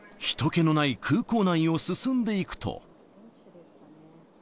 ひと気のない空港内を進んでいくと。